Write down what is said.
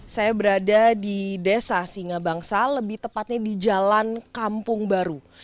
saya berada di desa singa bangsa lebih tepatnya di jalan kampung baru